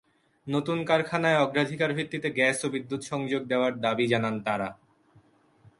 নতুন কারখানায় অগ্রাধিকার ভিত্তিতে গ্যাস ও বিদ্যুত্ সংযোগ দেওয়ার দাবি জানান তাঁরা।